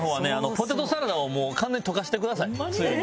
ポテトサラダを完全に溶かしてくださいスープに。